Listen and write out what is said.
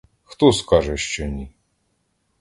Хто скаже, що ні?